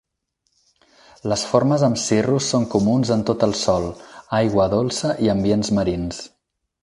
Les formes amb cirrus són comuns en tot el sòl, aigua dolça i ambients marins.